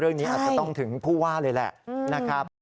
เรื่องนี้อาจจะต้องถึงผู้ว่าเลยแหละนะครับ